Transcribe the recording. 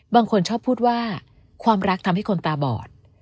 บางคนชอบพูดว่าความรักทำให้คนตาบอด